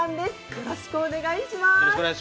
よろしくお願いします。